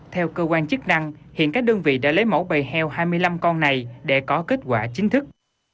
theo cơ quan chức năng hiện các đơn vị đã lấy mẫu bầy heo hai mươi năm con này để có kết quả chính thức